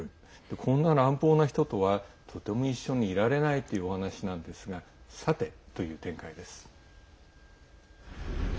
こんな乱暴な人とはとても一緒にいられないというお話なんですがさて、という展開です。